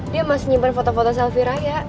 dia masih nyimpan foto foto selfie raya